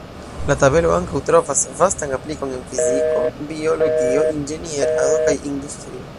La tabelo ankaŭ trovas vastan aplikon en fiziko, biologio, inĝenierado kaj industrio.